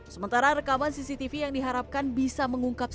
sementara rekaman cctv yang diharapkan bisa mengungkapkan